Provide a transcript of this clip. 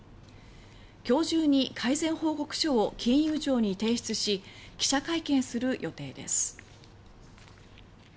きょう中に改善報告書を金融庁に提出し記者会見する予定です。